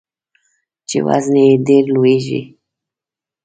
چې وزن یې ډیر لږوي.